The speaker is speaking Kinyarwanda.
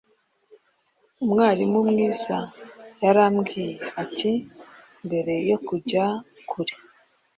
Umwarimu mwiza yarambwiye ati Mbere yo kujya kure